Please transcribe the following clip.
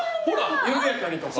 「ゆるやかに」とか？